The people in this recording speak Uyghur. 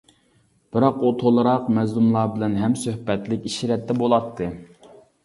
بىراق ئۇ تولىراق مەزلۇملار بىلەن ھەمسۆھبەتلىك ئىشرەتتە بولاتتى.